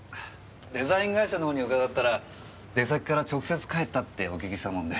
デザイン会社のほうに伺ったら出先から直接帰ったってお聞きしたもんで。